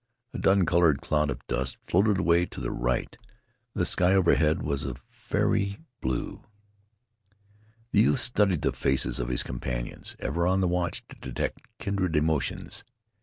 A dun colored cloud of dust floated away to the right. The sky overhead was of a fairy blue. The youth studied the faces of his companions, ever on the watch to detect kindred emotions.